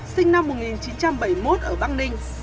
sinh năm một nghìn chín trăm bảy mươi một ở bắc ninh